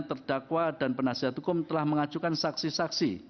terdakwa dan penasihat hukum telah mengajukan saksi saksi